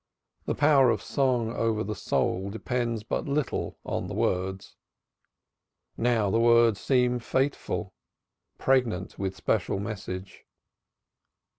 The power of song over the soul depends but little on the words. Now the words seem fateful, pregnant with special message.